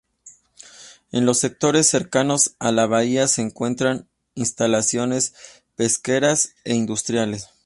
En los sectores cercanos a la bahía se encuentran instalaciones pesqueras e industriales.